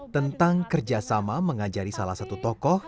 tentang kerjasama mengajari salah satu tokoh